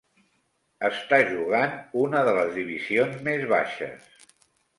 Està jugant una de les divisions més baixes.